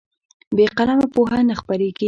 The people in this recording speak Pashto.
بې قلمه پوهه نه خپرېږي.